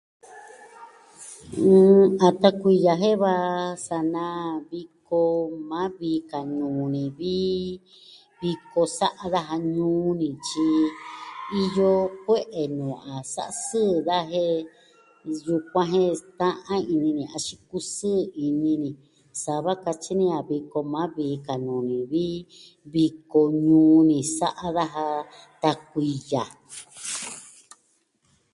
A tan kuiya jen va sanaa viko ma vii ka nuu ni vi viko sa'a daja ñuu ni, tyi iyo kue'e nuu a sa'a sɨɨ daja, jen yukuan jen ta'an ini ni axin kusɨɨ ini ni sava katyi ni a viko maa vii ka nuu ni vi viko ñuu ni sa'a daja tan kuiya.